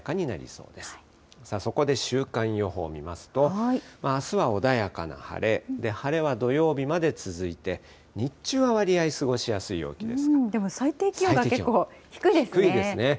そこで週間予報見ますと、あすは穏やかな晴れ、晴れは土曜日まで続いて、日中はわりあい、過ごしでも最低気温が結構低いです低いですね。